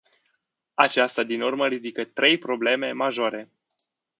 Aceasta din urmă ridică trei probleme majore.